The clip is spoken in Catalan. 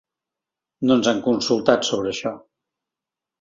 No ens han consultat sobre això.